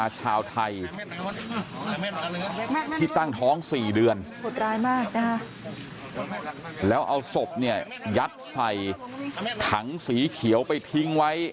ชาวไทยที่ตั้งท้อง๔เดือนแล้วเอาศพเนี่ยยัดใส่ถังสีเขียวไปทิ้งไว้